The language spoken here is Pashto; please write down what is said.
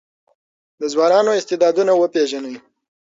د ځوانانو استعدادونه وپېژنئ.